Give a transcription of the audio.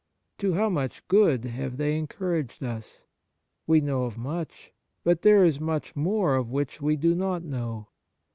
To how much good have they encouraged us ? We know of much, but there is much more of which we do not know.